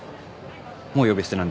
もう呼び捨てなんですか？